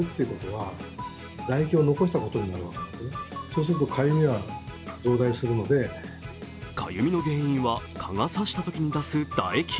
それはかゆみの原因は蚊が刺したときに出す唾液。